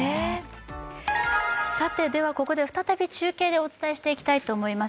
ここで再び中継でお伝えしていきたいと思います。